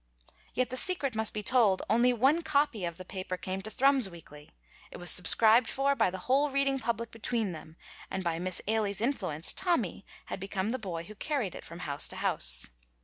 Yet the secret must be told: only one copy of the paper came to Thrums weekly; it was subscribed for by the whole reading public between them, and by Miss Ailie's influence Tommy had become the boy who carried it from house to house.